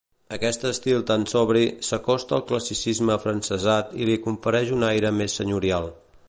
Aquest estil tan sobri, s'acosta al classicisme afrancesat i li confereix un aire més senyorial.